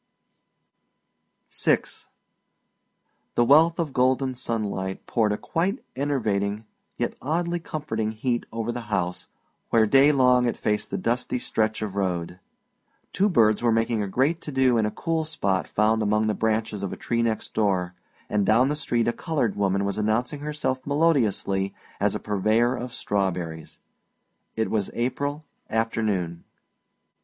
VI The wealth of golden sunlight poured a quite enervating yet oddly comforting heat over the house where day long it faced the dusty stretch of road. Two birds were making a great to do in a cool spot found among the branches of a tree next door, and down the street a colored woman was announcing herself melodiously as a purveyor of strawberries. It was April afternoon.